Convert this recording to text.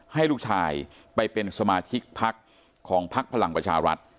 ให้ลูกชายไปเป็นสมาชิกพักของพักพลังประชารัฐ